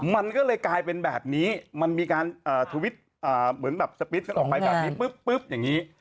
มันก็เลยกลายเป็นแบบนี้มันมีการทวิทย์เหมือนแบบสปิดกันออกไปแบบนี้